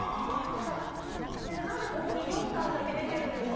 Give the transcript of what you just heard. ただ、先生、なぜここに４巻だけ出てるんですか。